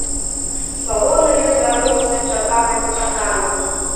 З палону ён вярнуўся чакана-нечакана.